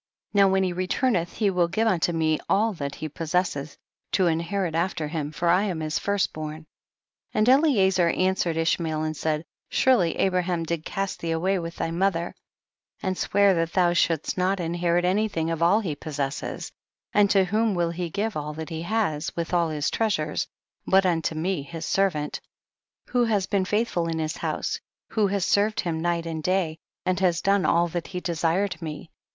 23. Now when he returncth he will give unto me all that he pos sesses, to inherit after him, for I am his first born. 24. And Eliezer answered Ish mael and said, surely Abraham did cast thee away with thy mother, and swear that thou shouldst not in herit any thing of all he possesses, and to whom will he give all that he has, with all his treasures, but unto me his servant, who has been faith ful in his house, who has served him night and day, and has done all that he desired me